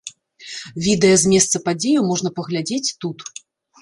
Відэа з месца падзеў можна паглядзець тут.